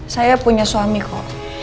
saya punya suami ko